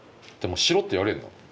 でもしろって言われるの？